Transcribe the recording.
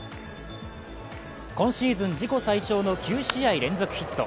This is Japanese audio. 今シーズン自己最長の９試合連続ヒット。